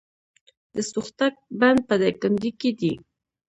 د سوختوک بند په دایکنډي کې دی